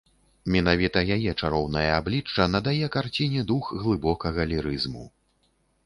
Менавіта яе чароўнае аблічча надае карціне дух глыбокага лірызму.